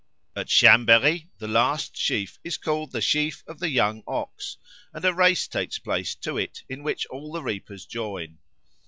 At Chambéry the last sheaf is called the sheaf of the Young Ox, and a race takes place to it in which all the reapers join.